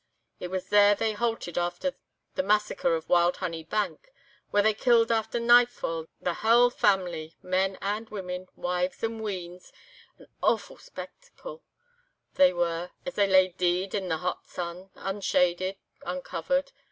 It was there they halted after the massacre of Wild Honey Bank, where they killed after nightfa' the haill family, men and women, wives and weans, an awfu' spectacle they were as they lay deid in the hot sun, unshaded, uncovered.